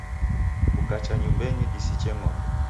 Kukacha nyumbenyi disiche ng'ombe.